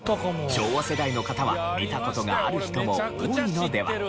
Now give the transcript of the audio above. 昭和世代の方は見た事がある人も多いのでは？